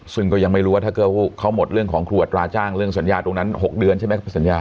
ซึ่งก็ยังไม่รู้ว่าถ้าเขาหมดเรื่องของขวดราจ้างเรื่องสัญญาตรงนั้น๖เดือนใช่ไหมสัญญา